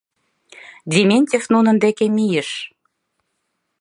Дементьев нунын деке мийыш.